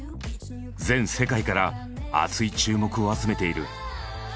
全世界から熱い注目を集めている。